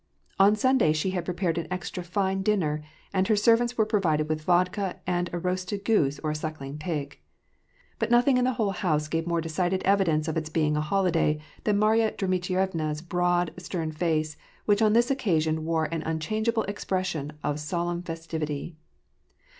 On Sunday she had prepared an extra fine dinner, and her servants were provided with vodka and a roasted goose or a sucking pig. But nothing in the whole house gave more decided evidence of its being a holiday than Marya Dmitrievna's broad, stem face, which on this occasion wore an unchangeable expression of solemn festivity.